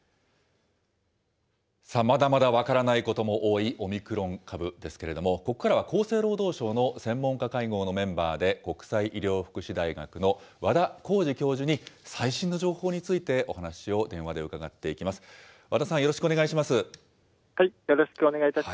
まだまだ分からないことも多いオミクロン株ですけれども、ここからは厚生労働省の専門家会合のメンバーで、国際医療福祉大学の和田耕治教授に最新の情報についてお話を電話で伺っていきます。